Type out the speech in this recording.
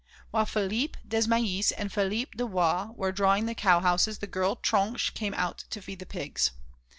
While Philippe Desmahis and Philippe Dubois were drawing the cow houses the girl Tronche came out to feed the pigs.